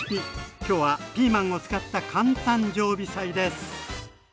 きょうはピーマンを使った簡単常備菜です！